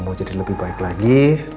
mau jadi lebih baik lagi